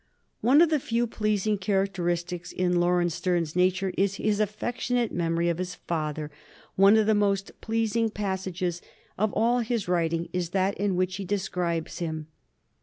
One of the few pleasing characteristics in Laurence Sterne's nature is his affectionate memory of his father ; one of the most pleasing passages of all his writings is that in which he describes him.